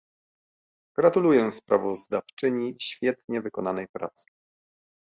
Gratuluję sprawozdawczyni świetnie wykonanej pracy